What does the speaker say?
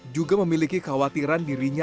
juga memiliki khawatiran dirinya